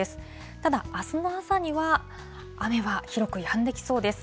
ただ、あすの朝には雨は広くやんできそうです。